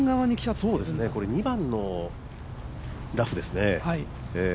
２番のラフですね。